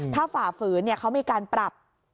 ถ้าฝ่าฝืนเขามีการปรับ